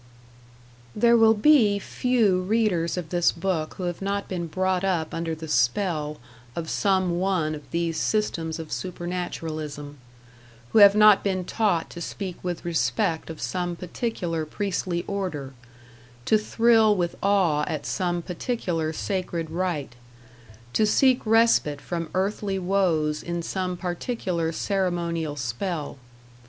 There will be few readers of this book who have not been brought up under the spell of some one of these systems of Supernaturalism; who have not been taught to speak with respect of some particular priestly order, to thrill with awe at some particular sacred rite, to seek respite from earthly woes in some particular ceremonial spell.